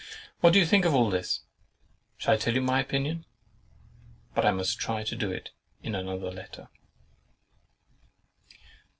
.. .What do you think of all this? Shall I tell you my opinion? But I must try to do it in another letter.